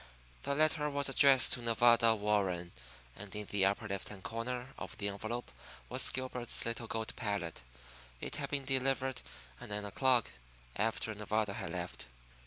The letter was addressed to Nevada Warren; and in the upper left hand corner of the envelope was Gilbert's little gold palette. It had been delivered at nine o'clock, after Nevada had left.